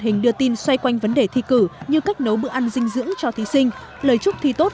hình đưa tin xoay quanh vấn đề thi cử như cách nấu bữa ăn dinh dưỡng cho thí sinh lời chúc thi tốt